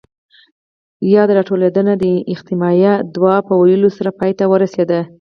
ياده راټولېدنه د اختتامیه دعاء پۀ ويلو سره پای ته ورسېده.